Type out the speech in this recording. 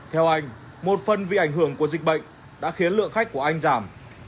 theo anh một phần vì ảnh hưởng của dịch bệnh đã khiến lượng khách của anh giảm